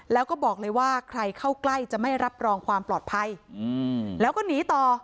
แล้วก็บอกเลยว่าใครเข้าใกล้จะไม่รับรองความปลอดภัยแล้วก็หนีต่อ